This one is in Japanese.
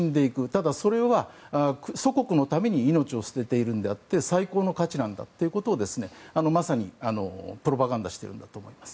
ただ、それは祖国のために命を捨てているのであって最高の価値なんだということをまさにプロパガンダしているんだと思います。